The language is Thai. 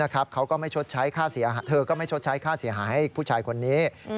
เธอก็ไม่ชดใช้ฆ่าเสียหายให้ผู้ชายคนนี้